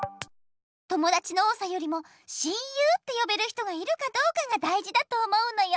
ともだちの多さよりも親友ってよべる人がいるかどうかがだいじだと思うのよ。